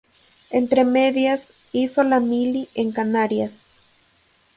Entre medias, hizo la mili en Canarias.